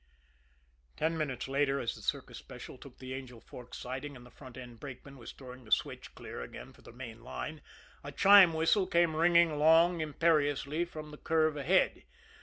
Ten minutes later, as the Circus Special took the Angel Forks siding and the front end brakeman was throwing the switch clear again for the main line, a chime whistle came ringing long, imperiously, from the curve ahead.